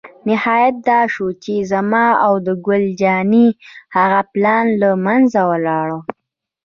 نهایت دا شو چې زما او د ګل جانې هغه پلان له منځه ولاړ.